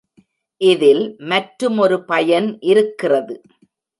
இதில் மற்றுமொரு பயன் இருக்கிறது.